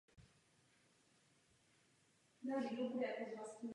U této architektury se musí shodnout "dvě vlákna ze tří".